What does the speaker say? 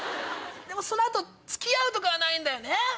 でもその後付き合うとかはないんだよね。